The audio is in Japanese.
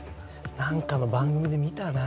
何かの番組で見たな。